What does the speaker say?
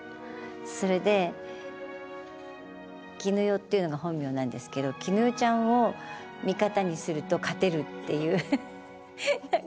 それで絹代っていうのが本名なんですけど「絹代ちゃんを味方にすると勝てる」っていう。